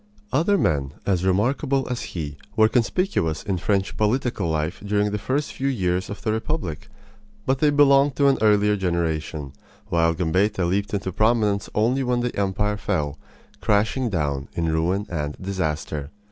Other men as remarkable as he were conspicuous in French political life during the first few years of the republic; but they belonged to an earlier generation, while Gambetta leaped into prominence only when the empire fell, crashing down in ruin and disaster.